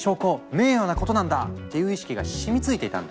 名誉なことなんだ！」っていう意識が染みついていたんだ。